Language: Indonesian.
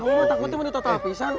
kamu takutnya menutup api sang